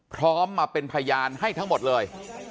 พร้อมมาเป็นพยานให้ทั้งหมดเลย